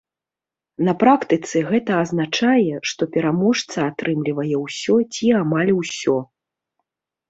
На практыцы гэта азначае, што пераможца атрымлівае ўсё ці амаль усё.